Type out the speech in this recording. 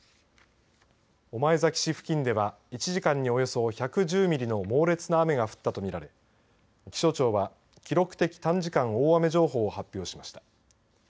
御前崎市付近では１時間におよそ１１０ミリの猛烈な雨が降ったと見られ気象庁は記録的短時間大雨情報を発表しました。